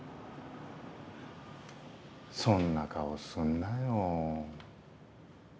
そんな顔すんなよ。